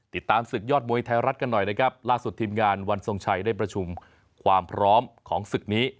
ติดตามศึกยอดมวยไทยรัฐกันหน่อยนะครับล่าสุดทีมงานวันทรงชัยได้ประชุมความพร้อมของศึกนี้